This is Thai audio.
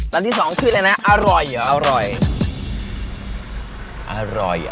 ร้านที่๒ขึ้นเลยนะอร่อยหรืออร่อย